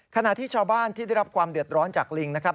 ขณะที่ชาวบ้านที่ได้รับความเดือดร้อนจากลิงนะครับ